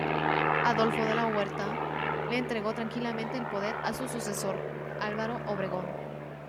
Adolfo de la Huerta le entregó tranquilamente el poder a su sucesor, Álvaro Obregón.